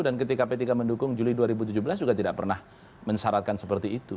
dan ketika p tiga mendukung juli dua ribu tujuh belas juga tidak pernah mensyaratkan seperti itu